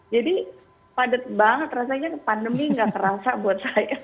jadi padat banget rasanya pandemi gak terasa buat saya